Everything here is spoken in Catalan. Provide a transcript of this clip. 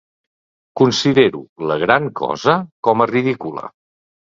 Considero la gran cosa com a ridícula.